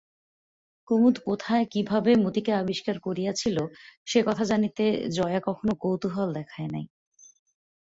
কুমুদ কোথায় কীভাবে মতিকে আবিষ্কার করিয়াছিল সেকথা জানিতে জয়া কখনো কৌতুহল দেখায় নাই।